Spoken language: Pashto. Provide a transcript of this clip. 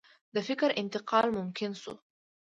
د فکر انتقال ممکن شو.